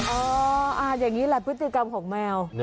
อ๋ออย่างนี้แหละพฤติกรรมของแมว